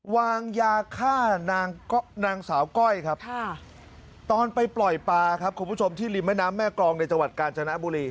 วางยาฆ่านางสาวก้อยครับตอนไปปล่อยปลาครับคุณผู้ชมที่ริมแม่น้ำแม่กรองในจังหวัดกาญจนบุรี